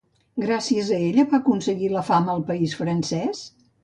Gràcies a ella va aconseguir la fama al país francès?